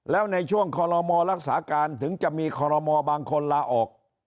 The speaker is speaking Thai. แล้วในช่วงคอลโลมรักษาการถึงจะมีคอรมอบางคนลาออก